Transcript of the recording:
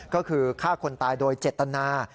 ก็คือฆ่าคนตายโดยเจตนา